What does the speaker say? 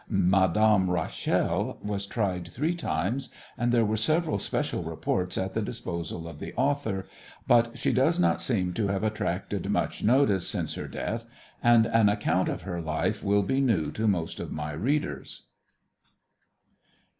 "Madame Rachel" was tried three times and there were several special reports at the disposal of the author, but she does not seem to have attracted much notice since her death and an account of her life will be new to most of my readers.